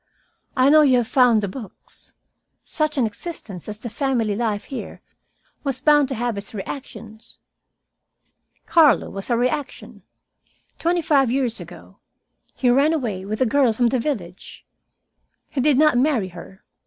I know you have found the books. Such an existence as the family life here was bound to have its reactions. Carlo was a reaction. Twenty five years ago he ran away with a girl from the village. He did not marry her.